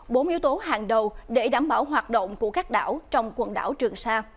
bốn yếu tố hàng đầu để đảm bảo hoạt động của các đảo trong quần đảo trường sa